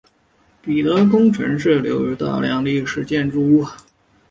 彼得宫城市内的留有大量历史建筑物。